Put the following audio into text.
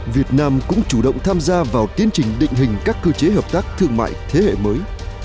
việt nam cũng chủ động tham gia vào tiến trình định hình các cơ chế hợp tác thương mại thế hệ mới